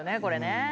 これね。